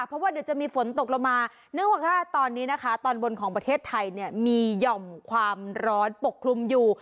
เพราะว่าเดี๋ยวจะมีฝนตกลงมานึกว่าตอนนี้นะคะตอนบนของประเทศไทยเนี่ยมีหย่อมความร้อนปกคลุมอยู่